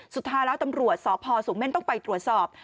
สุดท้ายแล้วตำรวจสพสูงเม่นต้องไปตรวจสอบ